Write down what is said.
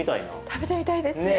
食べてみたいですね。